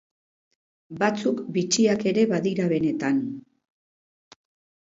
Batzuk bitxiak ere badira benetan.